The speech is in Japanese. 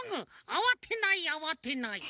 あわてないあわてない！